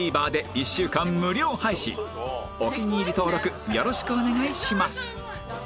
お気に入り登録よろしくお願いします